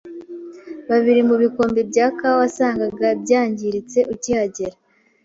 Babiri mu bikombe bya kawa wasangaga byangiritse ukihagera.